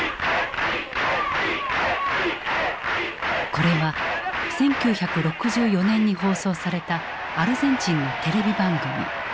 これは１９６４年に放送されたアルゼンチンのテレビ番組。